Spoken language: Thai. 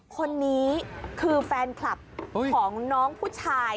คนนี้คือแฟนคลับของน้องผู้ชาย